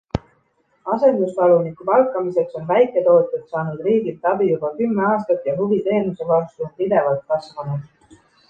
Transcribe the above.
Asendustaluniku palkamiseks on väiketootjad saanud riigilt abi juba kümme aastat ja huvi teenuse vastu on pidevalt kasvanud.